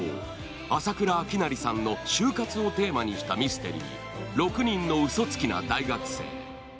浅倉秋成さんの就活をテーマにしたミステリー「六人の嘘つきな大学生」。